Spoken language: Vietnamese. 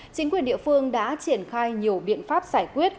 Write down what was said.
chính quyền địa phương đã triển khai nhiều biện pháp giải quyết